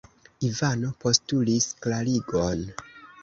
Ivano postulis klarigon.